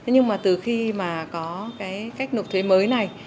nhưng từ khi có cách nộp thuế mới này